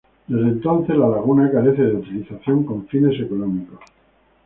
Desde entonces la laguna carece de utilización con fines económicos.